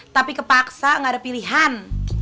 tapi kepaksa gak ada pilihan